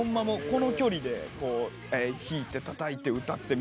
この距離で弾いてたたいて歌って。